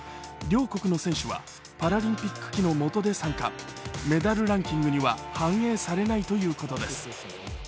両国の選手はパラリンピック旗のもとで参加、メダルランキングには反映されないということです。